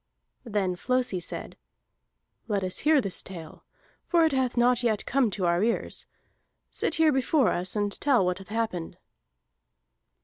Then Flosi said: "Let us hear this tale, for it hath not yet come to our ears. Sit here before us, and tell what hath happened."